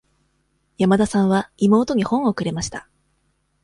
山田さんは妹に本をくれました。